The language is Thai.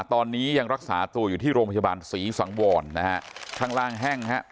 ตอนนี้ยังรักษาตัวอยู่ที่โรงพยาบาลศรีสังวรนะฮะข้างล่างแห้งฮะ